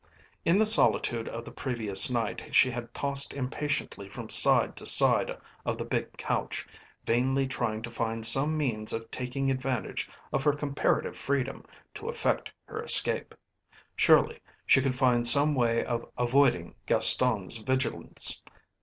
In the solitude of the previous night she had tossed impatiently from side to side of the big couch, vainly trying to find some means of taking advantage of her comparative freedom to effect her escape. Surely she could find some way of avoiding Gaston's vigilance.